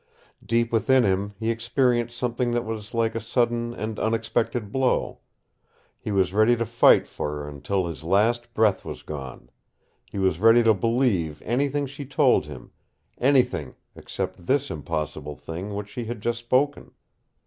Deep within him he experienced something that was like a sudden and unexpected blow. He was ready to fight for her until his last breath was gone. He was ready to believe anything she told him anything except this impossible thing which she had just spoken.